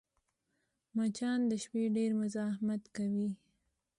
مچان د شپې ډېر مزاحمت کوي